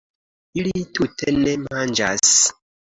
Ili tute ne manĝas